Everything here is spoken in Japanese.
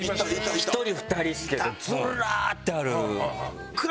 １人２人っすけどずらってある。